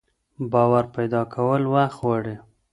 باور پيدا کول وخت غواړي.